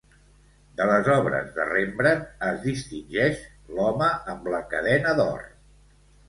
De les obres de Rembrandt es distingeix l"Home amb cadena d'or".